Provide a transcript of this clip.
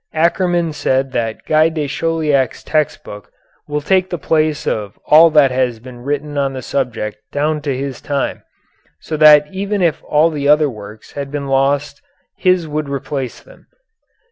Ackermann said that Guy de Chauliac's text book will take the place of all that has been written on the subject down to his time, so that even if all the other works had been lost his would replace them.